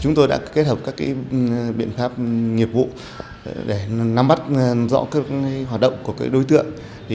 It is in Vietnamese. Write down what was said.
chúng tôi đã kết hợp các biện pháp nghiệp vụ để nắm bắt rõ các hoạt động của đối tượng